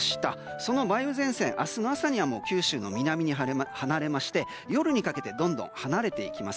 その梅雨前線、明日の朝には九州の南に離れて夜にかけてどんどん離れていきます。